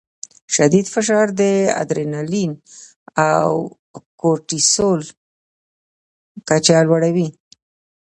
شدید فشار د اډرینالین او کورټیسول کچه لوړوي.